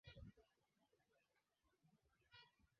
Wao kukosa imekuwa kawaida na huridhika lakini dhiki haizoeleki